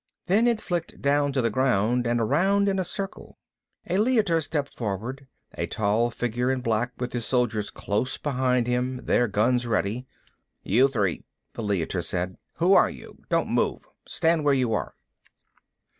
Then it flicked down to the ground and around in a circle. A Leiter stepped forward, a tall figure in black, with his soldiers close behind him, their guns ready. "You three," the Leiter said. "Who are you? Don't move. Stand where you are."